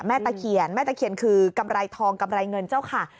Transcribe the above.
ตะเคียนแม่ตะเคียนคือกำไรทองกำไรเงินเจ้าค่ะ